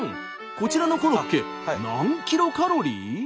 こちらのコロッケ何キロカロリー？